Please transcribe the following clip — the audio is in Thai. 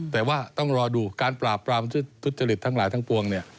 แต่ว่าต้องรอดูการปราบปรามทุจริตทั้งหลายทั้งปวงเนี่ย